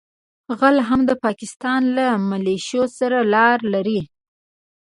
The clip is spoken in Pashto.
غله هم د پاکستان له مليشو سره لاره لري.